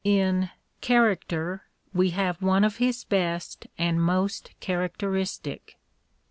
In " Character " we have one of his best and most characteristic.